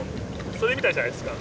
それみたいじゃないですか？